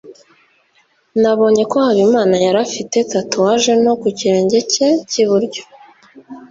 nabonye ko habimana yari afite tatouage nto ku kirenge cye cy'iburyo